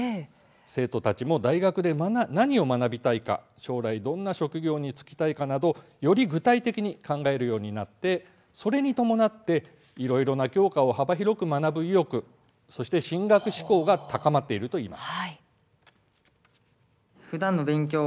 生徒たちも大学で何を学びたいか将来どんな職業に就きたいかなどより具体的に考えるようになってそれに伴っていろいろな教科を幅広く学ぶ意欲や、進学志向が高まっているといいます。